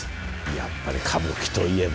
やっぱり歌舞伎といえば。